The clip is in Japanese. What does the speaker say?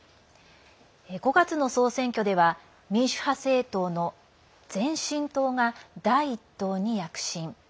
５月の総選挙では民主派政党の前進党が第１党に躍進。